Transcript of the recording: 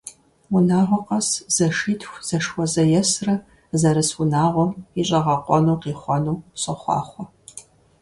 Унагъуэ къэс зэшитху зэшхуэзэесрэ зэрыс унагъуэм и щӀэгъэкъуэну къихъуэну сохъуахъуэ!